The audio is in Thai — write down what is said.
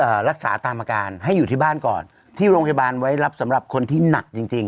รักษาตามอาการให้อยู่ที่บ้านก่อนที่โรงพยาบาลไว้รับสำหรับคนที่หนักจริงจริง